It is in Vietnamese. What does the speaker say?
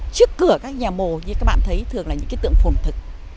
trước cửa các nhà mồ như các bạn thấy thường là những cái tượng phồn thực